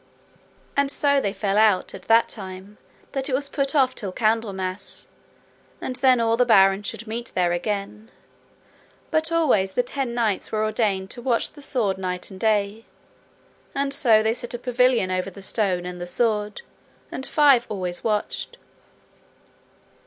And so they fell out at that time that it was put off till Candlemas and then all the barons should meet there again; but always the ten knights were ordained to watch the sword day and night, and so they set a pavilion over the stone and the sword, and five always watched.